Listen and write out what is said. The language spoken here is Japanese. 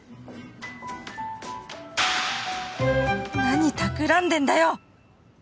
何たくらんでんだよ！